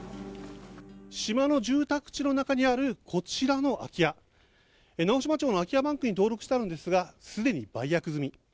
島の住宅地の中にあるこちらの空き家、直島町の空き家バンクに登録してあるんですが既に売約済み。